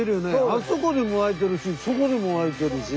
あそこでも湧いてるしそこでも湧いてるし。